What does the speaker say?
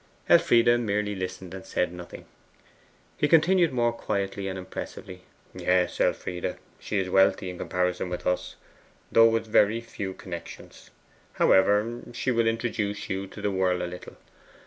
Elfride merely listened and said nothing. He continued more quietly and impressively. 'Yes, Elfride, she is wealthy in comparison with us, though with few connections. However, she will introduce you to the world a little.